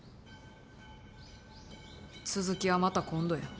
続きはまた今度や。